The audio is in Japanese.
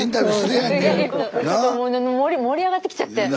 盛り上がってきちゃって。